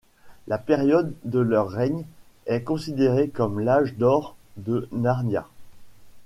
La période de leur règne est considérée comme l'Âge d'or de Narnia.